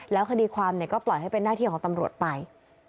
แล้วคดีความก็ปล่อยให้เป็นหน้าที่ของตำรวจไป